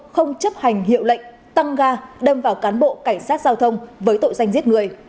không chấp hành hiệu lệnh tăng ga đâm vào cán bộ cảnh sát giao thông với tội danh giết người